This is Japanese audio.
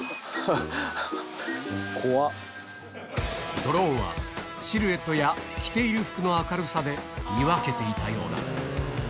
ドローンはシルエットや着ている服の明るさで見分けていたようだ。